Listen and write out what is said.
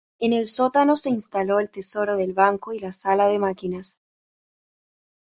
En el sótano se instaló el tesoro del banco y la sala de máquinas.